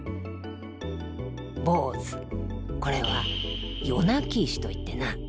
坊主これは「夜泣き石」と言ってな。